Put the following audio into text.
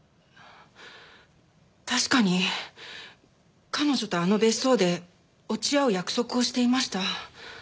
確かに彼女とあの別荘で落ち合う約束をしていました。